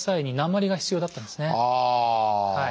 はい。